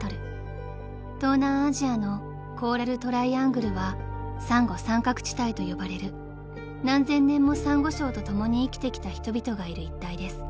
［東南アジアのコーラル・トライアングルはサンゴ三角地帯と呼ばれる何千年もサンゴ礁と共に生きてきた人々がいる一帯です］